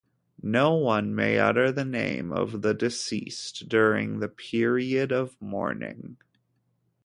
No one may utter the name of the deceased during the period of mourning.